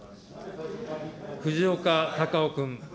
藤岡隆雄君。